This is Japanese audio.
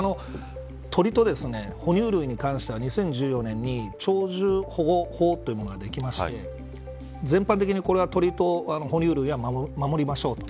鳥と哺乳類に関しては２０１４年に鳥獣保護法というものができまして全般的に、これは鳥と哺乳類は守りましょうと。